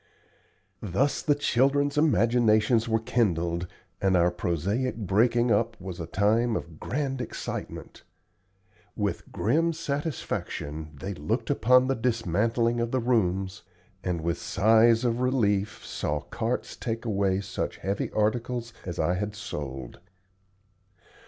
Thus the children's imaginations were kindled, and our prosaic breaking up was a time of grand excitement. With grim satisfaction they looked upon the dismantling of the rooms, and with sighs of relief saw carts take away such heavy articles as I had sold.